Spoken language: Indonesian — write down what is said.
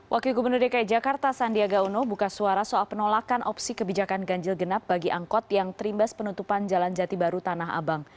wakil gubernur dki jakarta sandiaga uno buka suara soal penolakan opsi kebijakan ganjil genap bagi angkot yang terimbas penutupan jalan jati baru tanah abang